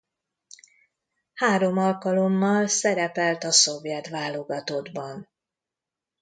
Három alkalommal szerepelt a szovjet válogatottban.